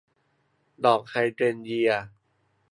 ดอกไฮเดรนเยีย